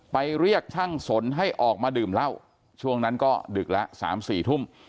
ไปเรียกช่างสนให้ออกมาดื่มเหล้าช่วงนั้นก็ดึกแล้ว๓๔ทุ่ม